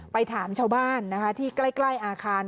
ไปถามชาวบ้านนะคะที่ใกล้อาคาร